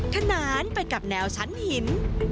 ขนานไปกับแนวชั้นหิน